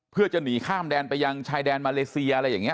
เพื่อจะหนีข้ามแดนไปยังชายแดนมาเลเซียอะไรอย่างนี้